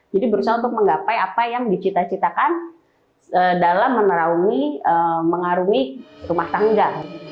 jadi berusaha untuk menggapai apa yang dicita citakan dalam menerangi mengarungi rumah tangga